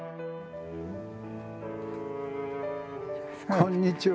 こんにちは。